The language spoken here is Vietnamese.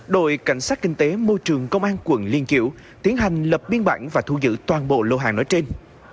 đội cảnh sát kinh tế môi trường công an quận liên kiểu tiến hành lập biên bản và thu giữ toàn bộ lô hàng nói trên